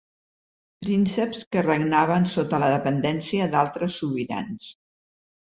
Prínceps que regnaven sota la dependència d'altres sobirans.